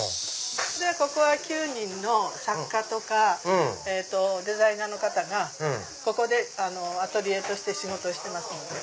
ここは９人の作家とかデザイナーの方がここでアトリエとして仕事をしてますので。